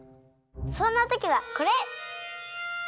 そんなときはこれ！